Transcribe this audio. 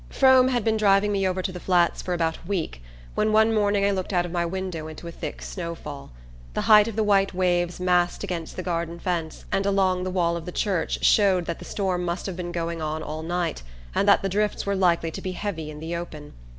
Frome had been driving me over to the Flats for about a week when one morning I looked out of my window into a thick snow fall. The height of the white waves massed against the garden fence and along the wall of the church showed that the storm must have been going on all night, and that the drifts were likely to be heavy in the open.